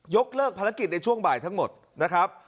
เลิกภารกิจในช่วงบ่ายทั้งหมดนะครับ